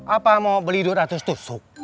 apa mau beli dua ratus tusuk